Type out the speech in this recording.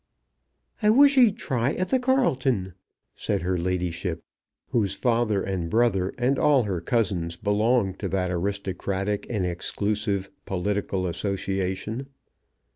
"I wish he'd try at the Carlton," said her ladyship, whose father and brother, and all her cousins, belonged to that aristocratic and exclusive political association.